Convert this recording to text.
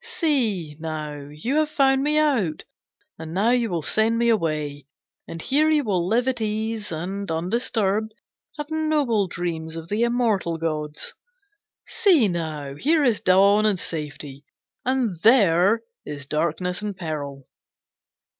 See now, you have found me out, and now you will send me away, and here you will live at ease, and, undisturbed, have noble dreams of the immortal gods. 'See now, here is dawn and safety, and there is darkness and peril.'